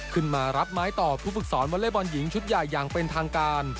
ขึ้นมารับไม้ต่อผู้ฝึกสอนวอเล็กบอลหญิงชุดใหญ่อย่างเป็นทางการ